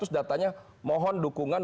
datanya mohon dukungan